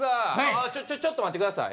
ああちょっと待ってください。